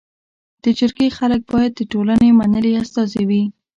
د جرګي خلک باید د ټولني منلي استازي وي.